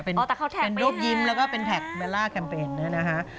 เป็นรูปเป็นรูปยิ้มแล้วก็เป็นแท็กเบลล่าแคมเปญนะฮะ